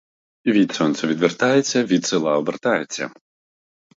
Від сонця відвертається, від села обертається.